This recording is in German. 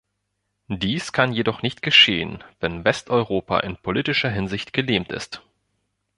Dies kann jedoch nicht geschehen, wenn Westeuropa in politischer Hinsicht gelähmt ist.